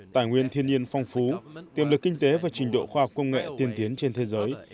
tài nguyên thiên nhiên phong phú tiềm lực kinh tế và trình độ khoa học công nghệ tiên tiến trên thế giới